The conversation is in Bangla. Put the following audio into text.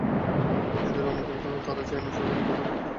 নিজেদের অমঙ্গল তারা চায় না, সরকারের ক্ষতি হোক তাও তারা চায় না।